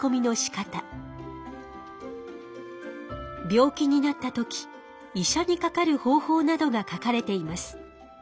病気になった時医者にかかる方法などが書かれています。